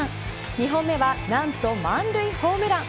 ２本目は何と満塁ホームラン。